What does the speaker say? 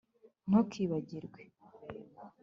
Ntukibagirwe